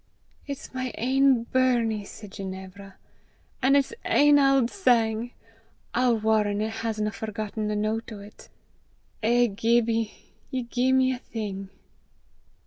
"It's my ain burnie," said Ginevra, "an' it's ain auld sang! I'll warran' it hasna forgotten a note o' 't! Eh, Gibbie, ye gie me a' thing!"